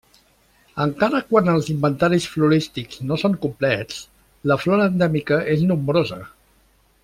Encara quan els inventaris florístics no són complets, la flora endèmica és nombrosa.